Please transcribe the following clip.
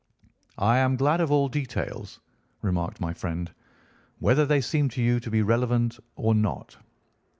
"I am glad of all details," remarked my friend, "whether they seem to you to be relevant or not."